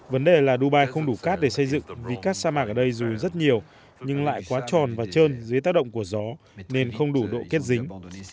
vấn đề là dubai không đủ cát để xây dựng vì các sa mạc ở đây dù rất nhiều nhưng lại quá tròn và trơn dưới tác động của gió nên không đủ độ kết dính